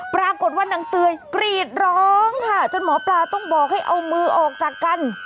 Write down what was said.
ปรากฏว่านางเตยกรีดร้องค่ะจนหมอปลาต้องบอกให้เอามือออกจากกัน